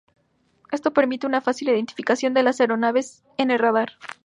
Esto permite una fácil identificación de las aeronaves en el radar.